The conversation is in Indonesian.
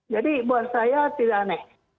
jadi buat saya tidak aneh